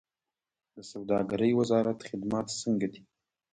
د سوداګرۍ وزارت خدمات څنګه دي؟